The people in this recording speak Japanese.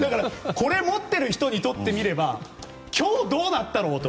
これ持っている人にとってみれば今日どうなったろうと。